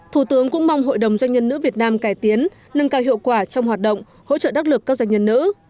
thủ tướng cũng mong hội đồng doanh nhân nữ việt nam cải tiến nâng cao hiệu quả trong hoạt động hỗ trợ đắc lực các doanh nhân nữ